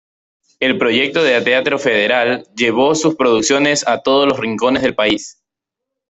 El Proyecto de Teatro Federal llevó sus producciones a todos los rincones del país.